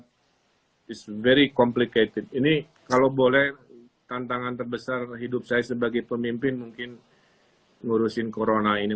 this very complicated ini kalau boleh tantangan terbesar hidup saya sebagai pemimpin mungkin ngurusin corona ini